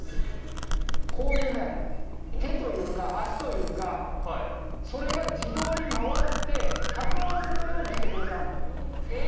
こういうね、手というか、足というか、それが自動で回って、かくはんするようにしてくれたんですよ。